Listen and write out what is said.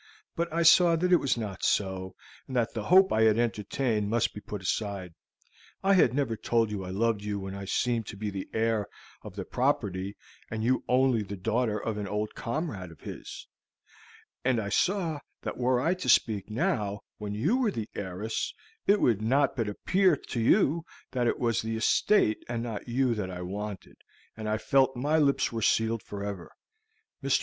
But I saw that it was not so, and that the hope I had entertained must be put aside. I had never told you I loved you when I seemed to be the heir of the property and you only the daughter of an old comrade of his, and I saw that were I to speak now, when you were the heiress, it could not but appear to you that it was the estate and not you that I wanted, and I felt my lips were sealed forever. Mr.